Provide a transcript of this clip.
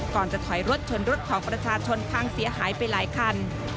ก่อนจะถอยรถชนรถของประชาชนพังเสียหายไปหลายคัน